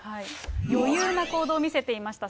余裕な行動を見せていました。